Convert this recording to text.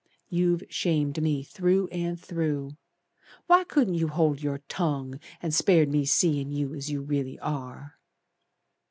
You've shamed me through and through. Why couldn't you hold your tongue, And spared me seein' you As you really are."